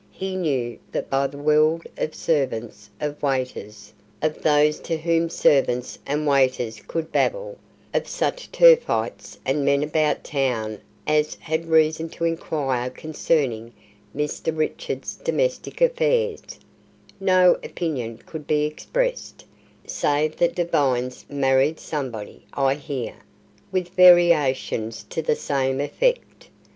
He knew that by the world of servants, of waiters, of those to whom servants and waiters could babble; of such turfites and men about town as had reason to inquire concerning Mr. Richard's domestic affairs no opinion could be expressed, save that "Devine's married somebody, I hear," with variations to the same effect.